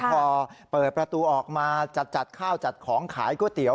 พอเปิดประตูออกมาจัดข้าวจัดของขายก๋วยเตี๋ย